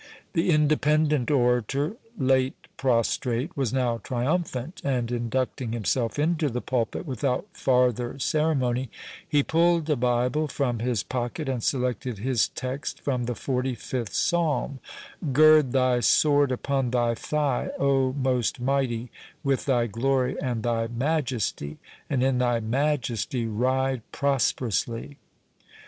The Independent orator, late prostrate, was now triumphant, and inducting himself into the pulpit without farther ceremony, he pulled a Bible from his pocket, and selected his text from the forty fifth psalm,—"Gird thy sword upon thy thigh, O most mighty, with thy glory and thy majesty: and in thy majesty ride prosperously."